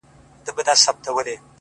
خدای زموږ معبود دی او رسول مو دی رهبر ـ